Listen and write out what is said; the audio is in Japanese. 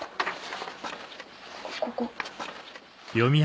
ここ。